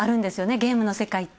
ゲームの世界って。